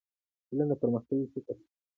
علم د پرمختللي فکر اساس دی.